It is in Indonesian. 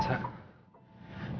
saat tahunnya sa